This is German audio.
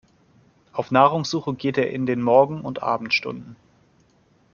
Auf Nahrungssuche geht er in den Morgen- und Abendstunden.